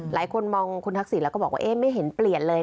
หลายคนมองคุณทักษิณแล้วก็บอกว่าเอ๊ะไม่เห็นเปลี่ยนเลย